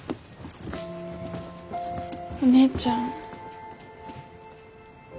お姉ちゃん。